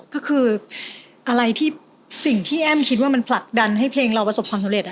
ก็คืออะไรที่สิ่งที่แอ้มคิดว่ามันผลักดันให้เพลงเราประสบความสำเร็จ